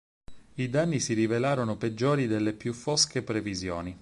I danni si rivelarono peggiori delle più fosche previsioni.